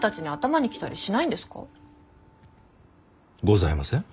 ございません。